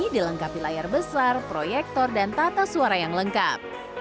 dilengkapi layar besar proyektor dan tata suara yang lengkap